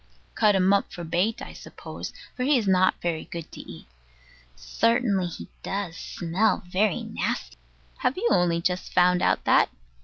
Cut him up for bait, I suppose, for he is not very good to eat. Certainly, he does smell very nasty. Have you only just found out that?